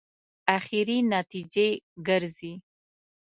اخري نتیجې ګرځي.